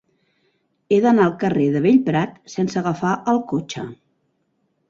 He d'anar al carrer de Bellprat sense agafar el cotxe.